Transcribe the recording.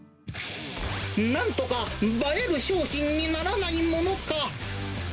なんとか映える商品にならないものか。